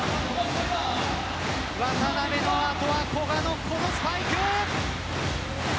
渡邊の後は古賀のこのスパイク。